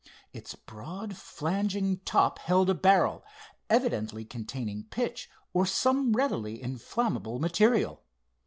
Its broad flanging top held a barrel, evidently containing pitch or some readily inflammable material.